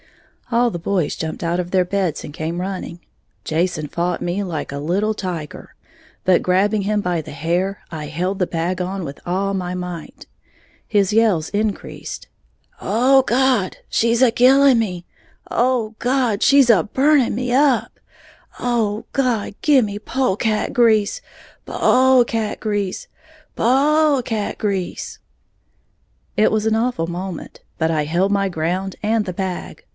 All the boys jumped out of their beds and came running. Jason fought me like a little tiger; but grabbing him by the hair, I held the bag on with all my might. His yells increased. "Oh, God, she's a killing me! Oh, God, she's a burning me up! Oh, God, gimme pole cat grease, pole cat grease, po ole cat grease!" It was an awful moment; but I held my ground and the bag.